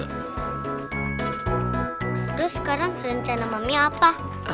terus sekarang rencana mami apa